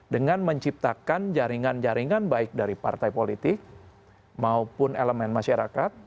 dengan menciptakan jaringan jaringan baik dari partai politik maupun elemen masyarakat